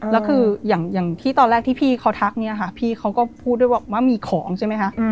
แล้วคืออย่างที่ตอนแรกที่พี่เขาทักเนี่ยค่ะพี่เขาก็พูดด้วยว่ามีของใช่ไหมคะ